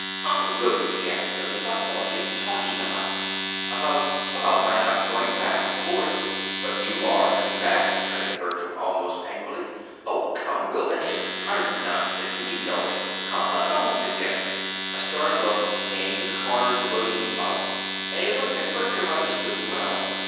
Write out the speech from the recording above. "Uncle William," gasped Billy, "what are you talking about?" "About about my not going back, of course." "But you are coming back," cut in Bertram, almost angrily. "Oh, come, Will, this is utter nonsense, and you know it! Come, let's go home to dinner." A stern look came to the corners of William's mouth a look that Bertram understood well.